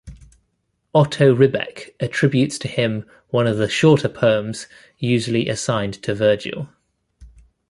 Otto Ribbeck attributes to him one of the shorter poems usually assigned to Virgil.